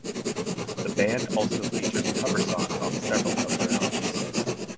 The band also features cover songs on several of their albums.